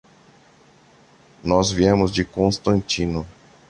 Nós viemos de Constantino.